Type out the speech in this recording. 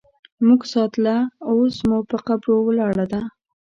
مونږ ساتله اوس مو په قبرو ولاړه ده